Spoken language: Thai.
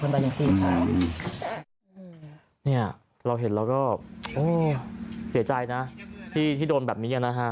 เนี่ยเราเห็นเราก็โอ้เสียใจนะที่โดนแบบนี้นะฮะ